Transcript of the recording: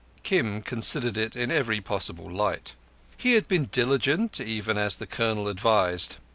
Kim considered it in every possible light. He had been diligent, even as the Colonel advised.